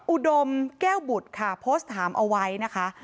อุดมแก้วบุตรค่ะโพสต์ถามเอาไว้นะคะ